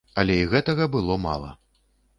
Але і гэтага было мала.